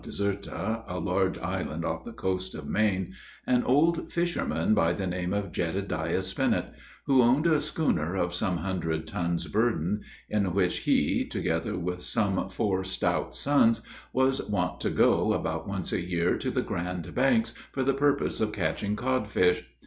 Desert a large island off the coast of Maine an old fisherman, by the name of Jedediah Spinnet, who owned a schooner of some hundred tons burden, in which he, together with some four stout sons, was wont to go, about once a year, to the Grand Banks, for the purpose of catching codfish.